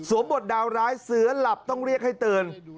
บทดาวร้ายเสือหลับต้องเรียกให้เตือน